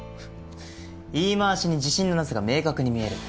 言い回しに自信のなさが明確に見える。